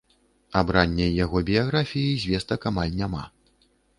Аб ранняй яго біяграфіі звестак амаль няма.